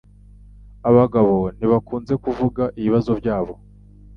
Abagabo ntibakunze kuvuga kubibazo byabo.